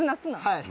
はい。